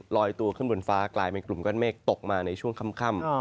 ลอยตัวขึ้นบนฟ้ากลายเป็นกลุ่มก้อนเมฆตกมาในช่วงค่ำ